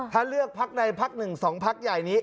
ถ้าเลือกภักดิ์ในภักดิ์หนึ่ง๒ภักดิ์ใหญ่นี้